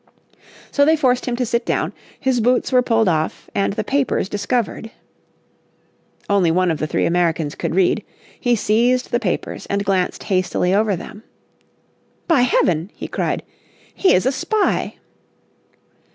So they forced him to sit down, his boots were pulled off, and the papers discovered. Only one of the three Americans could read. He seized the papers and glanced hastily over them. "By heaven," he cried, "he is a spy!"